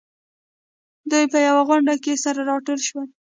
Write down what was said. دوی په يوه غونډه کې سره راټول شول.